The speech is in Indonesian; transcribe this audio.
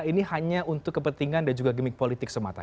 ini hanya untuk kepentingan dan juga gimmick politik semata